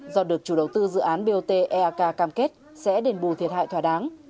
do được chủ đầu tư dự án bot eak cam kết sẽ đền bù thiệt hại thỏa đáng